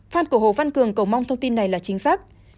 fan của hồ văn cường cầu mong thông tin này là chính xác